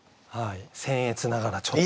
せん越ながらちょっと。